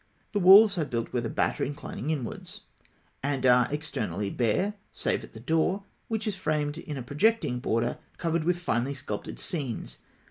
The walls are built with a batter inclining inwards, and are externally bare, save at the door, which is framed in a projecting border covered with finely sculptured scenes.